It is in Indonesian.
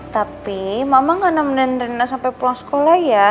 tapi mama nggak nomenin rina sampai pulang sekolah ya